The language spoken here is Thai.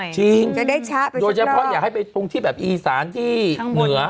จริงโดยเฉพาะอยากให้ไปตรงที่แบบอีสานที่เหนือ